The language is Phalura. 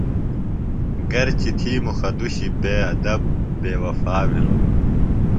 گرچہ تھی مُخہ دُشی بے ادب بے وفا بِھلوۡ۔